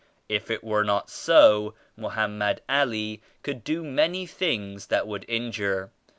If it were not so Mohammed Ali could do many things that would injure.